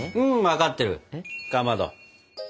うん分かってるかまど。